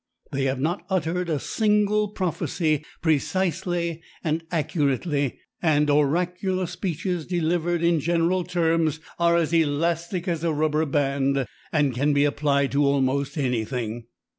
They have not uttered a single prophecy precisely and accurately, and oracular speeches delivered in general terms are as elastic as a rubber band, and can be applied to almost anything.